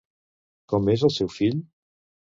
Com és el seu fill?